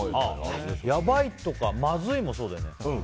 やばいとかまずいもそうだよね。